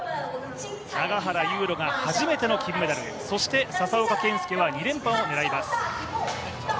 永原悠路が初めての金メダルへそして笹岡建介は２連覇を狙います